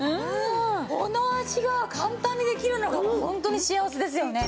この味が簡単にできるのがホントに幸せですよね。